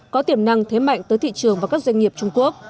có tiềm năng thế mạnh tới thị trường và các doanh nghiệp trung quốc